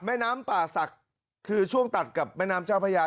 แม่น้ำป่าศักดิ์คือช่วงตัดกับแม่น้ำเจ้าพระยา